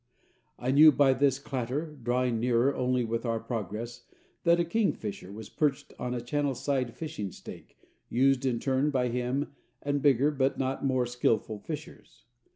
I knew by his clatter, drawing nearer only with our progress, that a kingfisher was perched on a channel side fishing stake, used in turn by him and bigger but not more skillful fishers.